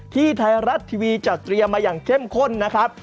ที่ไทยรัฐทีวีจัดเตรียมมาอย่างเข้มข้นนะครับ